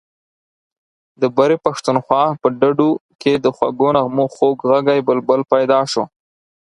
د برې پښتونخوا په ډډو کې د خوږو نغمو خوږ غږی بلبل پیدا شو.